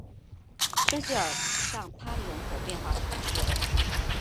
圣谢尔尚帕尼人口变化图示